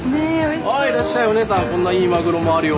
いらっしゃいおねえさんこんないいマグロもあるよ。